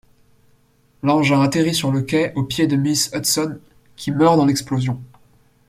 L'engin atterrit sur le quai aux pieds de miss Hudson qui meurt dans l'explosion.